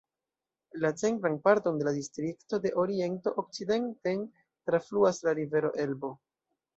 La centran parton de la distrikto de oriento okcidenten trafluas la rivero Elbo.